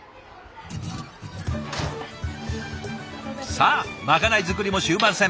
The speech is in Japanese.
さあまかない作りも終盤戦。